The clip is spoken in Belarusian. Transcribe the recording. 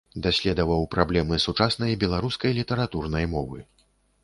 Даследаваў праблемы сучаснай беларускай літаратурнай мовы.